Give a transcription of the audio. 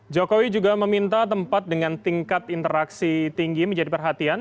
jokowi juga meminta tempat dengan tingkat interaksi tinggi menjadi perhatian